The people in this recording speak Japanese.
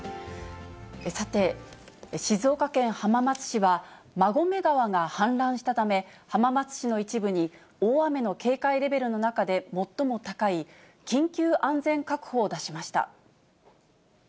さて、静岡県浜松市は、馬込川が氾濫したため、浜松市の一部に大雨の警戒レベルの中で最も高い、緊急安全確保を出しました。